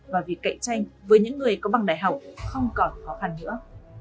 và việc cạnh tranh với những người có bằng đại học không còn khó khăn nữa